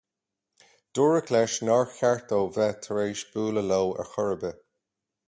Dúradh leis nár cheart dó bheith tar éis bualadh leo ar chor ar bith.